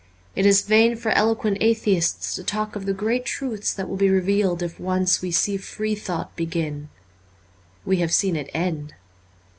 It is vain for eloquent atheists to talk of the great truths that will be revealed if once we see free thought begin. We have seen it end.